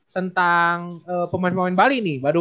tentang pemain pemain bali nih